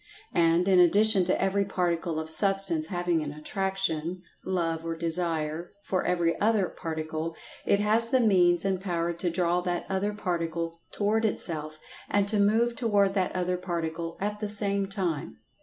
[Pg 137] And, in addition to every particle of Substance having an attraction (love or desire) for every other particle, it has the means and power to draw that other particle toward itself, and to move toward that other particle at the same time.